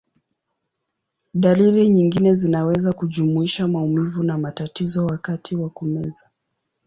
Dalili nyingine zinaweza kujumuisha maumivu na matatizo wakati wa kumeza.